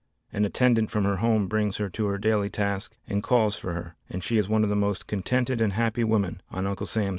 An attendant from her home brings her to her daily task and calls for her, and she is one of the most contented and happy women on Uncle Sam's pay roll.